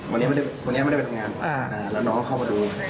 วันนี้วันนี้ไม่ได้ไปทำงานแล้วน้องก็เข้ามาดู